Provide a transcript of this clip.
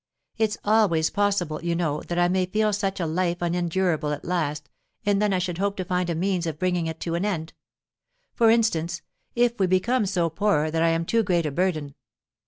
It's always possible, you know, that I may feel such a life unendurable at last, and then I should hope to find a means of bringing it to an end. For instance, if we become so poor that I am too great a burden.